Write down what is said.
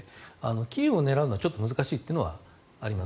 キーウを狙うというのはちょっと難しいというのがあります。